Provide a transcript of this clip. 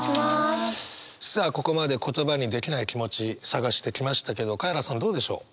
さあここまで言葉にできない気持ち探してきましたけどカエラさんどうでしょう？